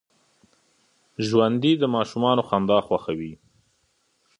ژوندي د ماشومانو خندا خوښوي